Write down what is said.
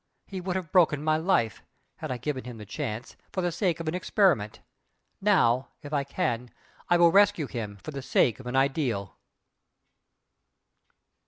He would have broken my life (had I given him the chance!) for the sake of an experiment. Now if I can I will rescue his for the sake of an ideal!"